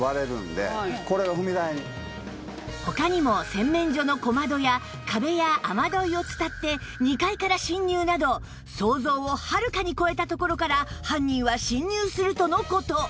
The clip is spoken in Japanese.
他にも洗面所の小窓や壁や雨どいをつたって２階から侵入など想像をはるかに超えた所から犯人は侵入するとの事